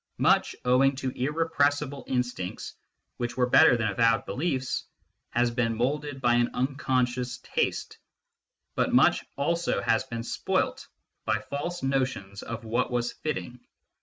Much, owing to irrepressible instincts, which were better than avowed beliefs, has been moulded by an unconscious taste ; but much also has been spoilt by false notions of what was fitting.